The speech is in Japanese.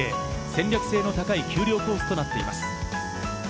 戦略性の高い丘陵コースとなっています。